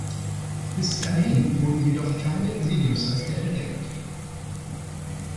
Bis anhin wurden jedoch keine Siedlungsreste entdeckt.